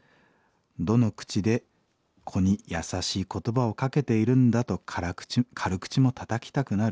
どの口で子に優しい言葉をかけているんだと軽口もたたきたくなる。